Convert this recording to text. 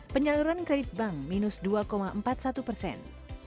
penyaluran kredit bank minus dua empat puluh satu persen